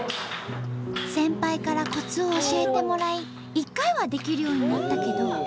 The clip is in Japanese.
先輩からコツを教えてもらい１回はできるようになったけど。